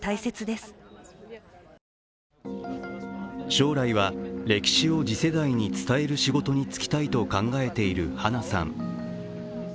将来は、歴史を次世代に伝える仕事に就きたいと考えているハナさん。